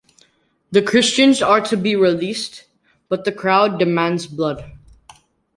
The Christians are to be released, but the crowd demands blood.